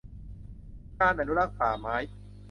การอนุรักษ์ป่าไม้